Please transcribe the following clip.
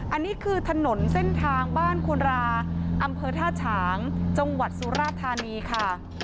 อันนี้คือถนนเส้นทางบ้านคุณราอำเภอท่าฉางจังหวัดสุราธานีค่ะ